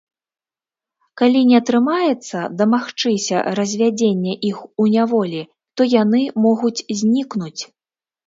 Калі не атрымаецца дамагчыся развядзення іх у няволі, то яны могуць знікнуць.